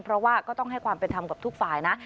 เพราะว่าก็ต้องให้ความเป็นธรรมกับทุกฝ่ายนะ